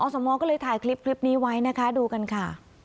สมก็เลยถ่ายคลิปนี้ไว้นะคะดูกันค่ะ